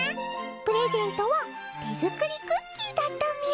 プレゼントは手作りクッキーだったみゃ。